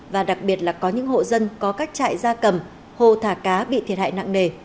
và đặc biệt là có những hộ dân có cách chạy ra cầm hồ thả cá bị thiệt hại nặng nề